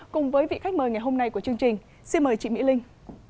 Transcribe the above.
cùng với vị khách mời ngày hôm nay của chương trình xin mời chị mỹ linh